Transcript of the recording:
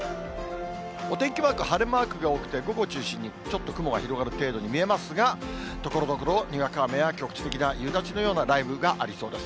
お天気マーク、晴れマークが多くて、午後を中心にちょっと雲が広がる程度に見えますが、ところどころ、にわか雨や局地的な夕立のような雷雨がありそうです。